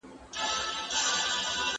زه له دې سپي شرمېږم چې هغه زما خولې ته ګوري.